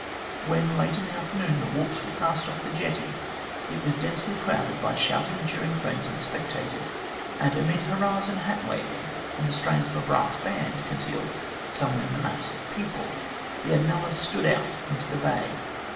When late in the afternoon the warps were cast off the 110 THE GLADSTONE COLONY jetty, it was densely crowded by shouting and cheering friends and spectators, and amid hurrahs and hat waving, and the strains of a brass band concealed somewhere in the mass of people, the Admclla stood out into the Bay.